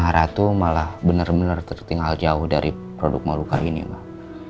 maharatu malah bener bener tertinggal jauh dari produk mau luka ini mak